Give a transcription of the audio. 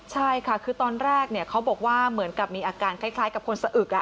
ใช่ค่ะคือตอนแรกเขาบอกว่าเหมือนกับมีอาการคล้ายกับคนสะอึก